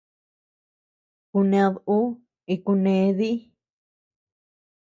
Kuned uu y kunee dii.